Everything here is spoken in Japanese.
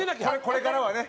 これからはね。